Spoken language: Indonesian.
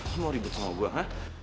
dia mau ribut sama gue hah